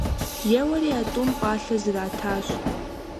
Еуэри а тӀум пӀалъэ зэрэтащ.